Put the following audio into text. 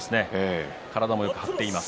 体も張っています。